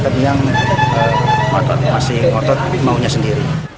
tapi yang masih ngotot maunya sendiri